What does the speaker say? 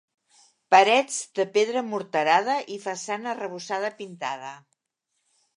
Parets de pedra morterada i façana arrebossada pintada.